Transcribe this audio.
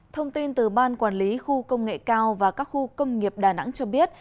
thông tin từ ban quản lý khu công nghệ cao và các khu công nghiệp đà nẵng cho biết